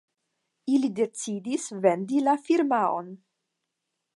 Ili decidis vendi la firmaon.